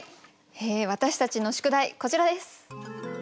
私たちの宿題こちらです。